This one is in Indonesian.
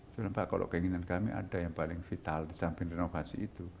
terlalu banyak kalau keinginan kami ada yang paling vital di samping inovasi itu